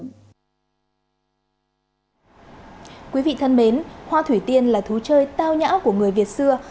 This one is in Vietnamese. thưa quý vị thân mến hoa thủy tiên là thú chơi tao nhã của người việt xưa